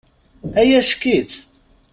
Ay ack-itt!